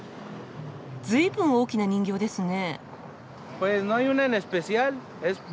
ずいぶん大きな人形ですね。